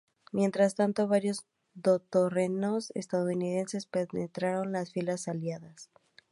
Mientras tanto varios todoterrenos ""estadounidenses"" penetraron las filas aliadas.